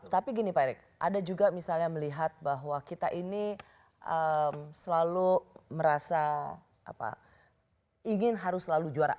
tapi gini pak erick ada juga misalnya melihat bahwa kita ini selalu merasa ingin harus selalu juara